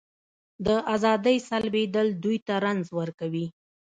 د ازادۍ سلبېدل دوی ته رنځ ورکوي.